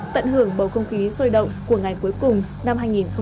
tận hưởng bầu không khí sôi động của ngày cuối cùng năm hai nghìn hai mươi